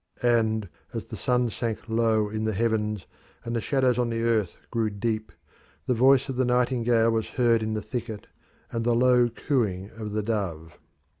And as the sun sank low in the heavens and the shadows on the earth grew deep, the voice of the nightingale was heard in the thicket, and the low cooing of the dove.